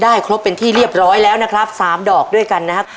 ครบเป็นที่เรียบร้อยแล้วนะครับ๓ดอกด้วยกันนะครับ